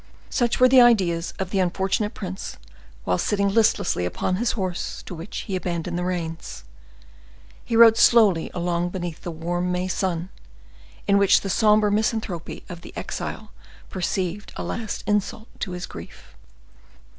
Such were the ideas of the unfortunate prince while sitting listlessly upon his horse, to which he abandoned the reins: he rode slowly along beneath the warm May sun, in which the somber misanthropy of the exile perceived a last insult to his grief.